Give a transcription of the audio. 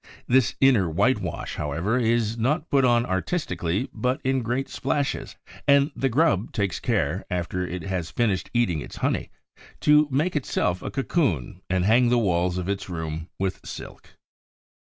This inner whitewash, however, is not put on artistically, but in great splashes; and the grub takes care, after it has finished eating its honey, to make itself a cocoon and hang the walls of its room with silk.